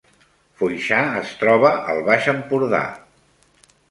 Foixà es troba al Baix Empordà